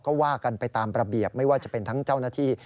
ก็ว่ากันไปตามระเบียบไม่ว่าจะเป็นทั้งเจ้าหน้าที่